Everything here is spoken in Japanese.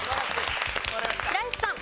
白石さん。